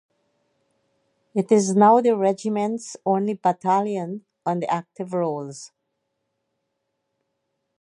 It is now the regiment's only battalion on the active rolls.